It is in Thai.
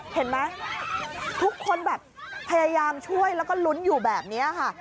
เห็นไหมทุกคนแบบพยายามช่วยแล้วก็ลุ้นอยู่แบบนี้ค่ะ